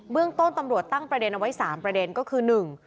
เรื่องต้นตำรวจตั้งประเด็นเอาไว้๓ประเด็นก็คือหนึ่ง